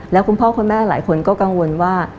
แล้วคุณพ่อคุณแม่หลายคนก็กังวลว่า